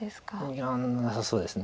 ２眼なさそうです。